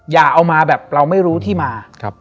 อย่าเอามาแบบเราไม่รู้ที่มา